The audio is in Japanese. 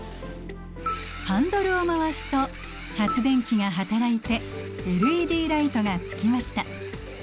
ハンドルを回すと発電機が働いてＬＥＤライトがつきました。